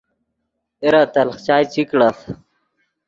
اے را تلخ چائے چی کڑف